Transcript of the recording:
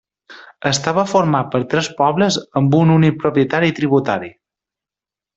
Estava format per tres pobles amb un únic propietari tributari.